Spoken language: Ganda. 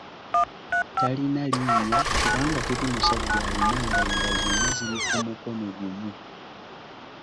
Talina linnya kubanga teri musajja alina ngalo nga zonna ziri ku mukono gumu.